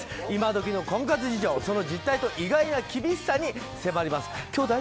今どきの婚活事情、その実態と意外な厳しさに迫ります。